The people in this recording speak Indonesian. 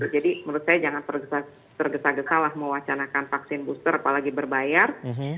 jadi menurut saya jangan tergesa gesalah mewacanakan vaksin booster apalagi berbayar